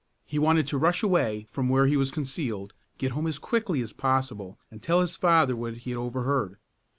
He wanted to rush away from where he was concealed, get home as quickly as possible, and tell his father what he had overheard.